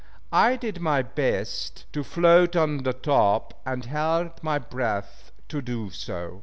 I did my best to float on the top, and held my breath to do so.